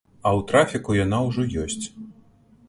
А ў трафіку яна ўжо ёсць.